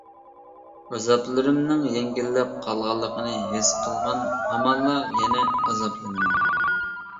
ئازابلىرىمنىڭ يەڭگىللەپ قالغانلىقىنى ھېس قىلغان ھامانلا يەنە ئازابلىنىمەن.